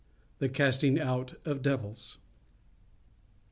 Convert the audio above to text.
THE CASTING OUT OF DEVILS.